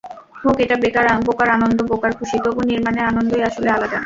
হোক এটা বোকার আনন্দ, বোকার খুশি, তবু নির্মাণের আনন্দই আসলে আলাদা।